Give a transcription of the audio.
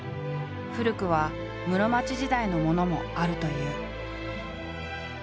古くは室町時代のものもあるという。